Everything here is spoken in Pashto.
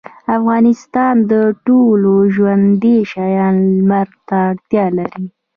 انسانان او ټول ژوندي شيان لمر ته اړتيا لري.